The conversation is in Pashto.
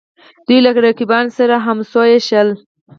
دوی له رقیبانو سره همسویه ښييل